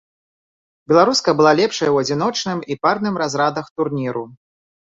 Беларуска была лепшай у адзіночным і парным разрадах турніру.